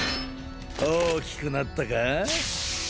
大きくなったか。